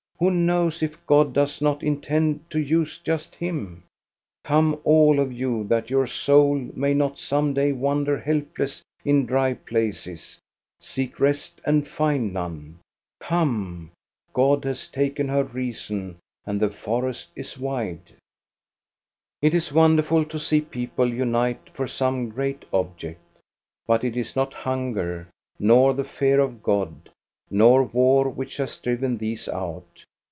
Who knows if God does not intend to use just him } Come all of you, that your soul may not some day wander helpless in dry places, seek rest and find none! Come! God has taken her reason, and the forest is wide. It is wonderful to see people unite for some great object. But it is not hunger, nor the fear of God, nor war which has driven these out.